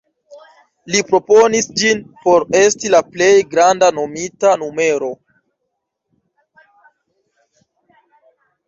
Li proponis ĝin por esti la plej granda nomita numero.